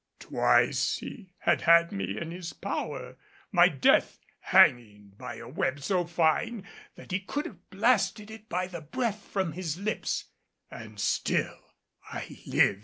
Twice he had had me in his power, my death hanging by a web so fine that he could have blasted it by the breath from his lips, and still I lived.